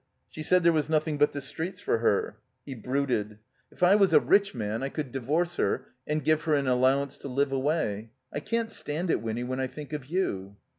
She said there was nothing but the streets for her." He brooded. .^'If I was a rich THE COMBINED MAZE man I could divorce her and give her an allowance to live away. I can't stand it, Winny, when I think of you."